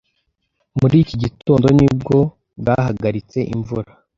Muri iki gitondo, ni bwo bwahagaritse imvura.